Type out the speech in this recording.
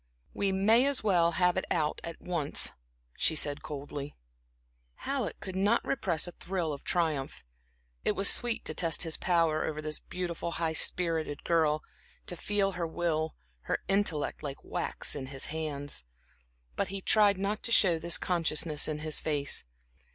"We may as well have it out at once," she said, coldly. Halleck could not repress a thrill of triumph. It was sweet to test his power over this beautiful, high spirited girl, to feel her will, her intellect, like wax in his hands. But he tried not to show this consciousness in his face.